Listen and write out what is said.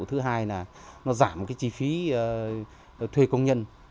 thứ hai là nó giảm cái chi phí thuê công nhân